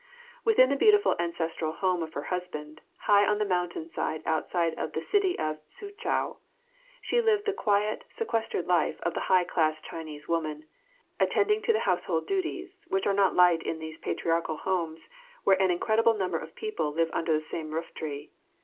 Within the beautiful ancestral home of her husband, high on the mountains side outside of the city of Su Chau, she lived the quite, sequestered life of the high class Chinese woman, attending to the household duties, which are not light in these patriarchal homes, where an incredible number of people live under the same rooftree.